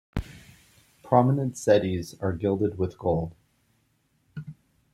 Prominent zedis are gilded with gold.